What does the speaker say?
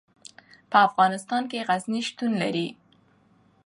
په افغانستان کې غزني شتون لري.